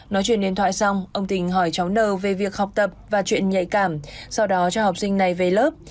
nói chuyện điện thoại xong ông tình hỏi cháu nờ về việc học tập và chuyện nhạy cảm sau đó cho học sinh này về lớp